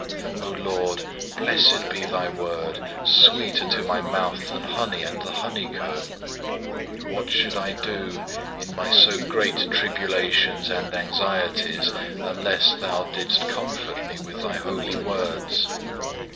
4. O Lord, blessed be Thy word, sweeter to my mouth than honey and the honeycomb. What should I do in my so great tribulations and anxieties, unless Thou didst comfort me with Thy holy words?